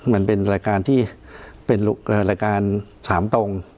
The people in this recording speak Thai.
รายการที่เป็น๓ตรง